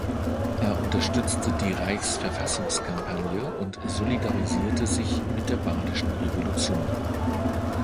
Er unterstützte die Reichsverfassungskampagne und solidarisierte sich mit der Badischen Revolution.